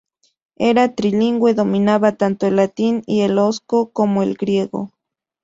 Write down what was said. Era trilingüe, dominaba tanto el latín y el osco como el griego.